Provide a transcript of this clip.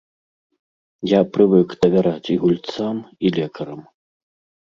Я прывык давяраць і гульцам, і лекарам.